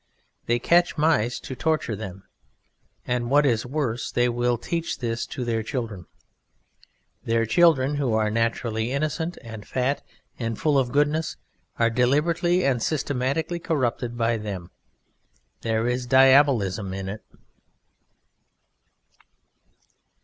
They catch mice to torture them. And what is worse, They will teach this to Their children Their children who are naturally innocent and fat, and full of goodness, are deliberately and systematically corrupted by Them; there is diabolism in it.